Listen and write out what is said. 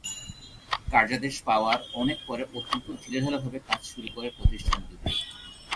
কার্যাদেশ পাওয়ার অনেক পরে অত্যন্ত ঢিলেঢালাভাবে কাজ শুরু করে প্রতিষ্ঠান দুটি।